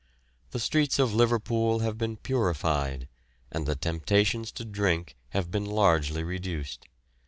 The streets of Liverpool have been purified, and the temptations to drink have been largely reduced.